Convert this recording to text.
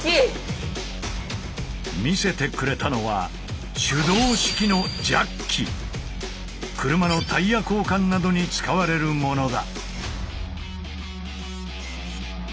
見せてくれたのは車のタイヤ交換などに使われるものだ。